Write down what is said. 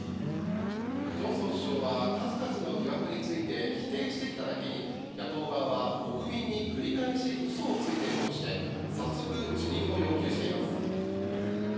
ジョンソン首相は数々の疑惑について否定してきただけに野党側は国民に繰り返し嘘をついているとして早速、辞任を要求しています。